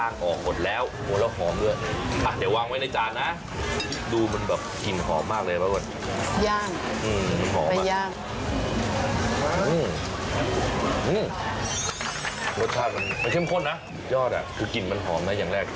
ยอดอ่ะคือกลิ่นมันหอมมากนะอย่างแรก